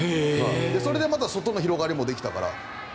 それでまた外の広がりもできたから。